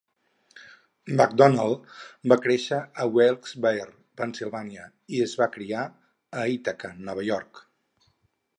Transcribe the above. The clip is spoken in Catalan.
McDonnell va néixer a Wilkes-Barre, Pennsilvània, i es va criar a Ítaca, Nova York.